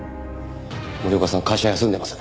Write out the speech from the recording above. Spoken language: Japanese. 森岡さん会社休んでます。